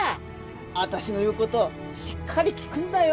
「あたしの言うことしっかり聞くんだよ！」